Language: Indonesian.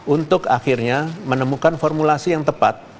untuk akhirnya menemukan formulasi yang tepat